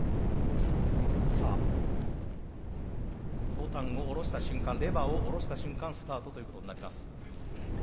ボタンを下ろした瞬間レバーを下ろした瞬間スタートということになります。